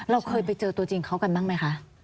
เราเคยไปเจอตัวจริงเขากันบ้างไหมคะ